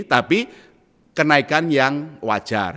tapi kenaikan yang wajar